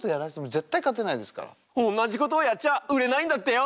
同じことをやっちゃ売れないんだってよ。